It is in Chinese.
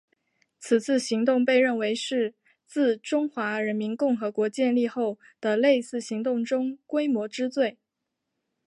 此次行动被认为是自中华人民共和国建立后的类似行动中规模之最。